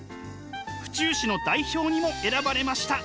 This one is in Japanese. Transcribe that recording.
府中市の代表にも選ばれました。